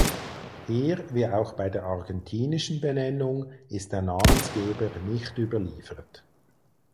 Hier wie auch bei der argentinischen Benennung ist der Namensgeber nicht überliefert.